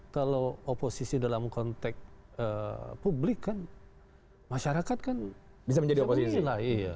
kalau oposisi dalam konteks publik kan masyarakat kan bisa memilih